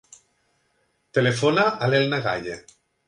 Telefona a l'Elna Gaye.